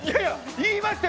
言いましたよ